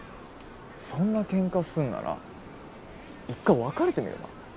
そんなケンカすんなら一回別れてみれば？